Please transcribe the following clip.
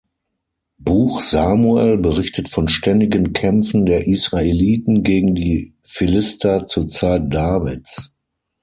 Buch Samuel berichtet von ständigen Kämpfen der Israeliten gegen die Philister zur Zeit Davids.